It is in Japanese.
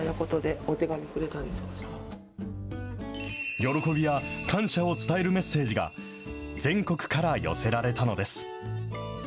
喜びや感謝を伝えるメッセージが、全国から寄せられたのです。